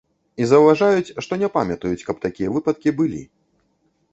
І заўважаюць, што не памятаюць, каб такія выпадкі былі.